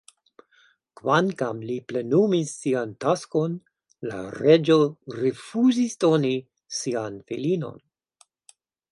Kvankam li plenumis sian taskon, la reĝo rifuzis doni sian filinon.